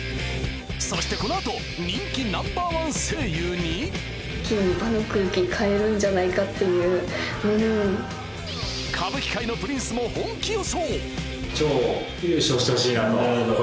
そしてこのあと人気ナンバーワン声優に歌舞伎界のプリンスも本気予想